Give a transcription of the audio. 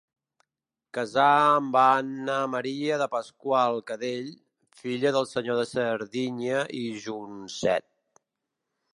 Casà amb Anna Maria de Pasqual-Cadell, filla del senyor de Serdinyà i Joncet.